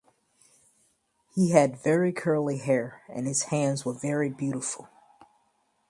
He had very curly hair and his hands were very beautiful.